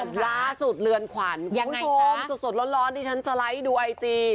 ล่าสุดเรือนขวัญคุณผู้ชมสดร้อนที่ฉันสไลด์ดูไอจี